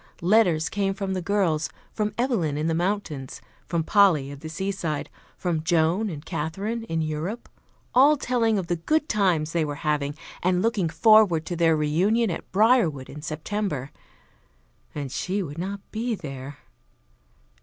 Letters came from the girls from Evelyn in the mountains, from Polly at the seaside, from Joan and Katherine in Europe all telling of the good times they were having, and looking forward to their reunion at Briarwood in September. And she would not be there.